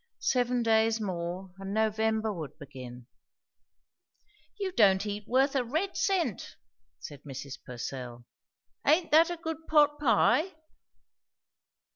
Seven days more, and November would begin! "You don't eat worth a red cent!" said Mrs. Purcell. "Aint that a good pot pie?"